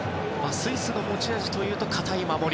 スイスの持ち味というと堅い守り。